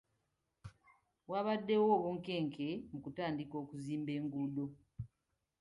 Wabadewo obunkenke mu kutandika okuzimba enguudo.